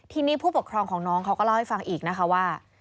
ทีนี้ผู้ปกครองของน้องเขาก็เล่าให้ฟังอีกนะคะว่า